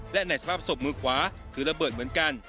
และในสภาพศพมือขวาคือระเบิดเหมือนกัน